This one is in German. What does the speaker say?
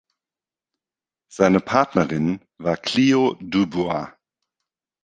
Seine Partnerin war Cleo Dubois.